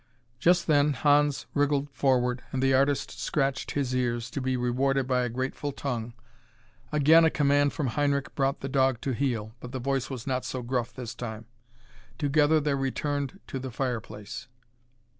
Just then Hans wriggled forward and the artist scratched his ears, to be rewarded by a grateful tongue. Again a command from Heinrich brought the dog to heel, but the voice was not so gruff this time. Together they returned to the fireplace.